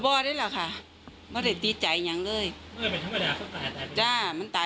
เป็นคุณคนที่ตายอย่างบ่ฮามันสิ